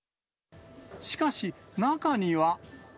しかし、中には。